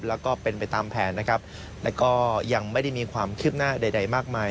แล้วก็เป็นไปตามแผนนะครับแล้วก็ยังไม่ได้มีความคืบหน้าใดใดมากมาย